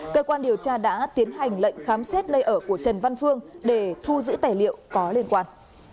cơ quan điều tra đã tiến hành lệnh khám xét nơi ở của trần văn phương để thu giữ tài liệu có liên quan